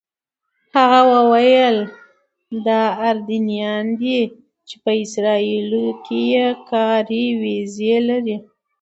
هغه وویل دا اردنیان دي چې په اسرائیلو کې کاري ویزې لري.